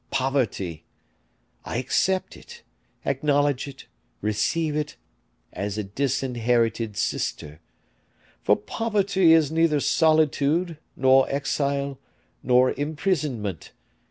Poverty! I accept it, acknowledge it, receive it, as a disinherited sister; for poverty is neither solitude, nor exile, nor imprisonment.